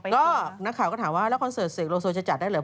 ก็นักข่าวก็ถามว่าแล้วคอนเสิร์ตเสกโลโซจะจัดได้เหรอ